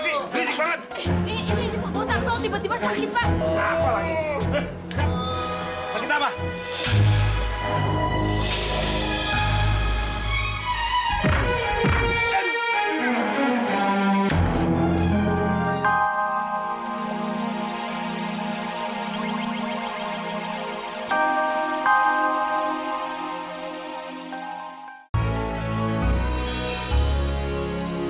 sampai jumpa di video selanjutnya